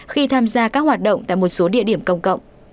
khi tham gia các hoạt động tại một số địa điểm công cộng